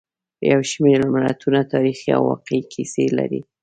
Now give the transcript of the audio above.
یو شمېر متلونه تاریخي او واقعي کیسې لري